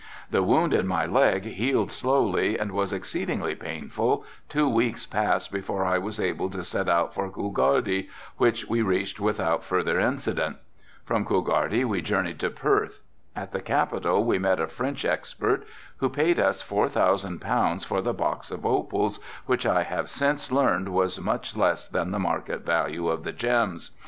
The wound in my leg healed slowly and was exceedingly painful, two weeks passed before I was able to set out for Coolgardie, which we reached without further incident. From Coolgardie we journied to Perth. At the capital we met a French expert who paid us four thousand pounds for the box of opals, which I have since learned was much less than the market value of the gems.